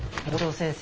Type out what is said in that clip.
先生。